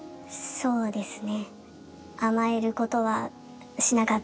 そうですね。